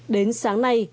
đến sáng nay